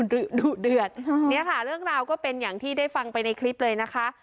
ดุเดือดเนี่ยค่ะเรื่องราวก็เป็นอย่างที่ได้ฟังไปในคลิปเลยนะคะ